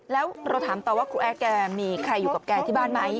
แล้วเราถามต่อว่าครูแอ๊กแกมีใครอยู่กับแกที่บ้านไหม